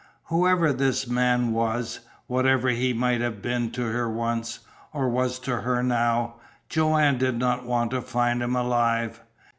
Whoever this man was, whatever he might have been to her once, or was to her now, Joanne did not want to find him alive!